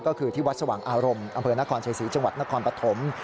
ก็คือที่วัดสว่างอารมณ์อำเภอนครชัยศรีจังหวัดนครปฐม